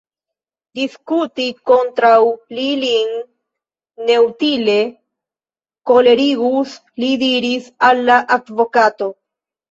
Diskuti kontraŭ li lin neutile kolerigus, li diris al la advokato.